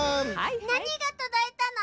なにがとどいたの？